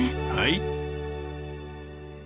はい。